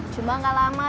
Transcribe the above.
cuma gak lama